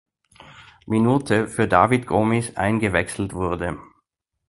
Minute für David Gomis eingewechselt wurde.